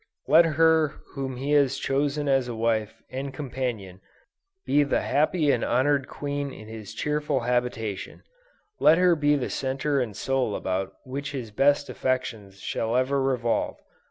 Let her whom he has chosen as a wife and companion, be the happy and honored Queen in his cheerful habitation: let her be the center and soul about which his best affections shall ever revolve.